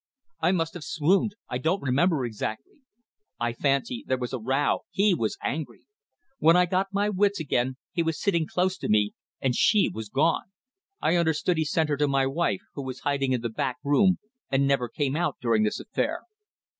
I must have swooned; I don't remember exactly. I fancy there was a row; he was angry. When I got my wits again he was sitting close to me, and she was gone. I understood he sent her to my wife, who was hiding in the back room and never came out during this affair.